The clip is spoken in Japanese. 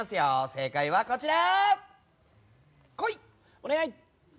正解は、こちら！